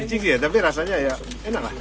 ciki tapi rasanya enak